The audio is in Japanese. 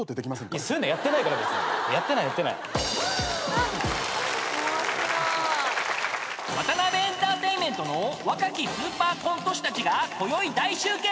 ［ワタナベエンターテインメントの若きスーパーコント師たちがこよい大集結！］